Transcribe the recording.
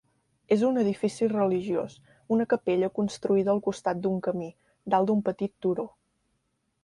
És un edifici religiós, una capella construïda al costat d'un camí, dalt d'un petit turó.